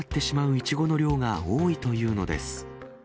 イチゴの量が多いというのです。